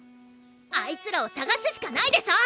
あいつらをさがすしかないでしょ！